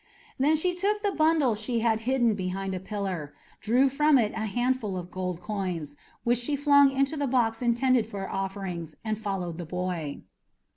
Then she took up the bundle she had hidden behind a pillar, drew from it a handful of gold coins, which she flung into the box intended for offerings, and followed the boy.